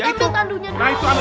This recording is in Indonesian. nah itu ambil tandunya